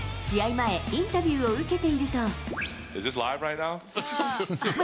前、インタビューを受けていると。